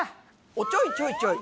おっちょいちょいちょい！